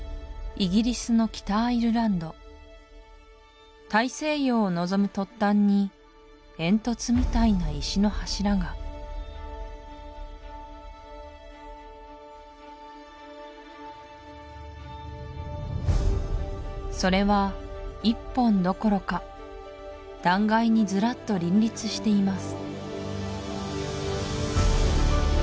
イギリスの北アイルランド大西洋をのぞむ突端に煙突みたいな石の柱がそれは１本どころか断崖にずらっと林立しています